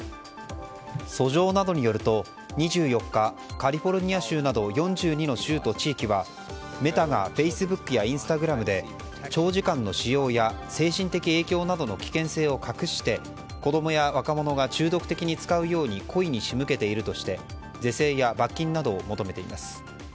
訴状などによると２４日カリフォルニア州など４２の州と地域はメタが、フェイスブックやインスタグラムで長時間の使用や精神的影響などの危険性を隠して子供や若者が中毒的に使うように故意に仕向けているとして是正や罰金などを求めています。